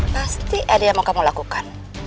pasti ada yang mau kamu lakukan